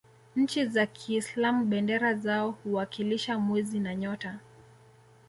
nchi za kiislam bendera zao huwakilisha mwezi na nyota